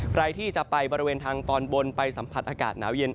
ใครที่จะไปบริเวณทางตอนบนไปสัมผัสอากาศหนาวเย็น